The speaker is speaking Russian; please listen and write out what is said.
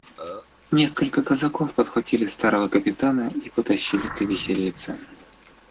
Несколько казаков подхватили старого капитана и потащили к виселице.